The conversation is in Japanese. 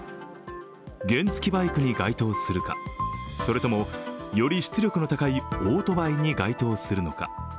原付きバイクに該当するか、それともより出力の高いオートバイに該当するか。